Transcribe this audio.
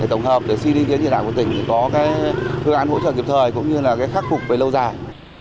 để tổng hợp để suy nghĩ đến gì nào của tỉnh có cái phương án hỗ trợ kịp thời cũng như là cái khắc phục về lâu dài